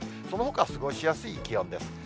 そのほかは過ごしやすい気温です。